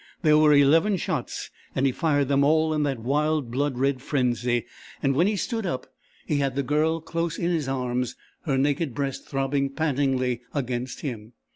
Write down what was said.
There were eleven shots and he fired them all in that wild, blood red frenzy; and when he stood up he had the girl close in his arms, her naked breast throbbing pantingly against him.